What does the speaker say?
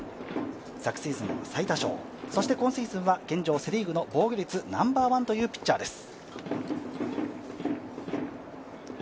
昨シーズン最多勝、今シーズンは現状、セ・リーグの防御率ナンバーワンというピッチャーです。